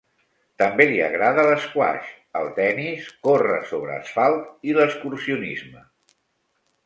També li agrada l'esquaix, el tennis, córrer sobre asfalt i l'excursionisme.